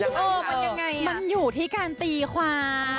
กับเพลงที่มีชื่อว่ากี่รอบก็ได้